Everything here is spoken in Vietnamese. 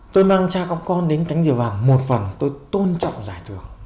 tôi mang cha có con đến cánh diều vàng một phần tôi tôn trọng giải thưởng